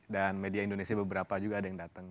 dan media indonesia beberapa juga ada yang datang